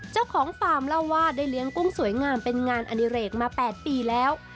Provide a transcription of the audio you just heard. เจ้าของฟาร์มเล่าว่าได้เลี้ยงกุ้งสวยงามเป็นงานอดิเรกมา๘ปีแล้ว